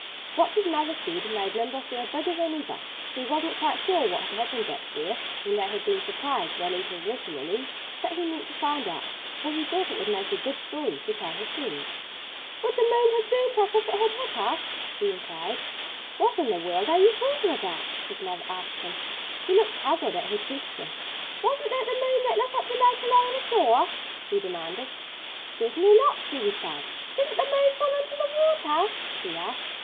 What his mother said made Nimble feel bigger than ever. He wasn't quite sure what had happened back there, where they had been surprised while eating water lilies. But he meant to find out, for he thought it would make a good story to tell his friends. "Would the moon have burnt us if it had hit us?" he inquired. "What in the world are you talking about?" his mother asked him. He looked puzzled at her question. "Wasn't that the moon that lit up the lake along the shore?" he demanded. "Certainly not!" she replied. "Didn't the moon fall into the water?" he asked.